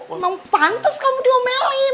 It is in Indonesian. emang pantes kamu di omelin